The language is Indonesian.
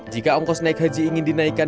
jika ongkos naik haji ingin dinaikkan